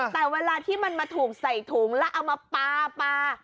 แต่เวลาที่มันมาถูกใส่ถุงแล้วเอามาปลา